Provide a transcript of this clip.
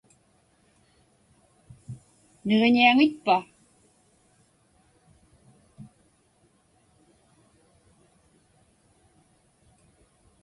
Niġiñiaŋitpa?